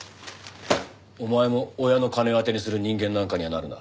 お前も親の金を当てにする人間なんかにはなるな。